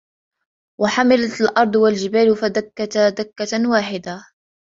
وحملت الأرض والجبال فدكتا دكة واحدة